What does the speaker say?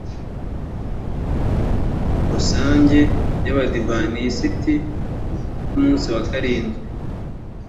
rusange y abadiventisiti b umunsi wa karindwi